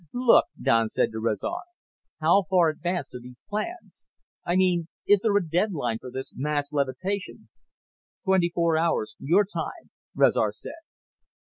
"Look," Don said to Rezar, "how far advanced are these plans? I mean, is there a deadline for this mass levitation?" "Twenty four hours, your time," Rezar said.